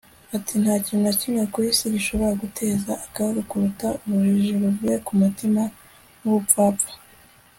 ati: nta kintu na kimwe ku isi gishobora guteza akaga kuruta ubujiji buvuye ku mutima n'ubupfapfa